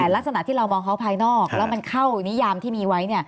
ลักษณะที่เรามองเขาภายนอกแล้วมันเข้านิยามที่มีไว้